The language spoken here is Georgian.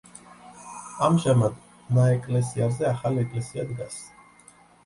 ამჟამად ნაეკლესიარზე ახალი ეკლესია დგას.